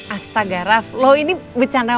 astagaraf lo ini becanda